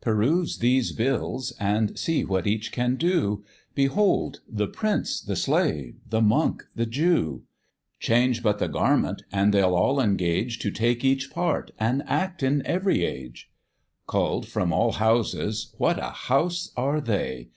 Peruse these bills, and see what each can do, Behold! the prince, the slave, the monk, the Jew; Change but the garment, and they'll all engage To take each part, and act in every age: Cull'd from all houses, what a house are they!